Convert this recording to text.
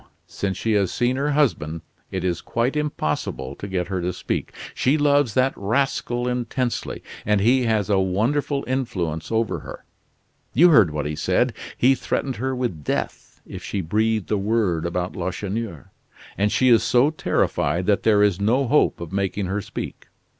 Since she has seen her husband, it is quite impossible to get her to speak. She loves that rascal intensely, and he has a wonderful influence over her. You heard what he said. He threatened her with death if she breathed a word about Lacheneur, and she is so terrified that there is no hope of making her speak."